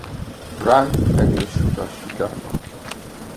Wright è cresciuto a Chicago.